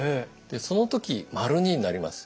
でその時②になります。